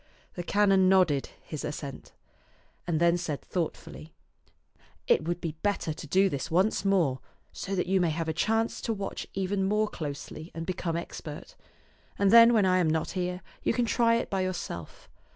The canon nodded his assent, and then said thought fully, " It would be better to do this once more, so that you may have a chance to watch even more closely and become expert ; and then when I am not here you can try it by yourself.